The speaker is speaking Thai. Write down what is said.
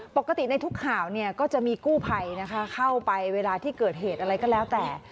ปกติในทุกข่าวเนี่ยก็จะมีกู้ภัยนะคะเข้าไปเวลาที่เกิดเหตุอะไรก็แล้วแต่